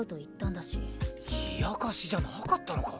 冷やかしじゃなかったのか？